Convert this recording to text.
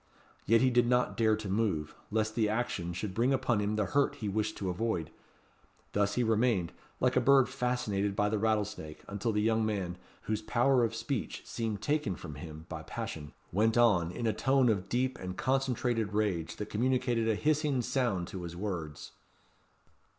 Yet he did not dare to move, lest the action should bring upon him the hurt he wished to avoid. Thus he remained, like a bird fascinated by the rattlesnake, until the young man, whose power of speech seemed taken from him by passion, went on, in a tone of deep and concentrated rage, that communicated a hissing sound to his words.